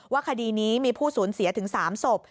คดีนี้มีผู้สูญเสียถึง๓ศพ